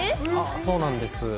そうなんです。